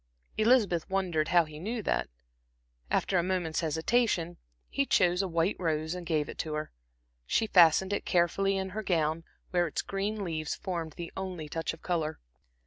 Elizabeth wondered how he knew that. After a moment's hesitation, he chose a white rose and gave it to her. She fastened it carefully in her gown, where its green leaves formed the only touch of color.